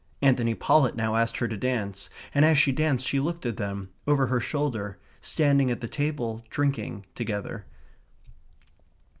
Anthony Pollett now asked her to dance, and as she danced she looked at them, over her shoulder, standing at the table, drinking together.